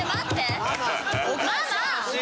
ママ！